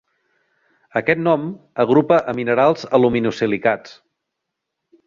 Aquest nom agrupa a minerals aluminosilicats.